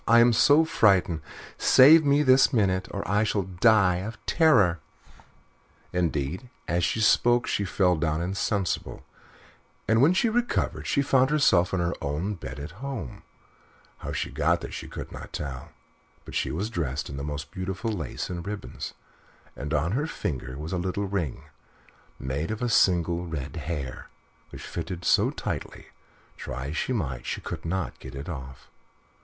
I am so frightened. Save me this minute, or I shall die of terror." Indeed, as she spoke she fell down insensible, and when she recovered she found herself in her own little bed at home; how she got there she could not tell, but she was dressed in the most beautiful lace and ribbons, and on her finger was a little ring, made of a single red hair, which fitted so tightly that, try as she might, she could not get it off.